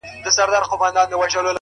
ژوند در ډالۍ دى تاته!!